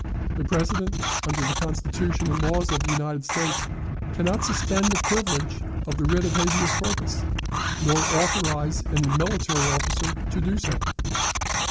The President, under the Constitution and laws of the United States, can not suspend the privilege of the writ of habeas corpus, nor authorize any military officer to do so.